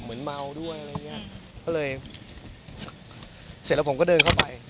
เมาด้วยอะไรอย่างเงี้ยก็เลยเสร็จแล้วผมก็เดินเข้าไป